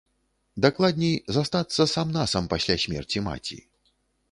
Дакладней, застацца сам-насам пасля смерці маці.